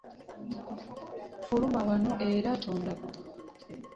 Ffuluma wano era toddanga.